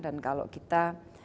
dan kalau kita